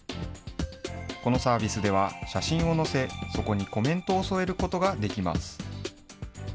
このサービスでは写真を載せ、そこにコメントを添えることができます。